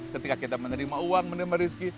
ketika kita menerima uang menerima rezeki